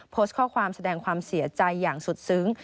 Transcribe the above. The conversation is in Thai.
โพสต์ข้อความแสดงความเสียใจอย่างสุดซึ้ง